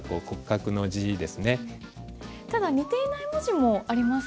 ただ似ていない文字もありますよね。